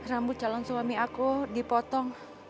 rambut calon suami aku dipotong